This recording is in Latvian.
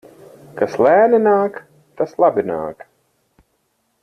Kas lēni nāk, tas labi nāk.